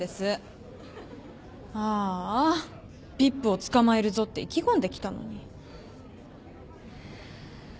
ああＶＩＰをつかまえるぞって意気込んできたのに。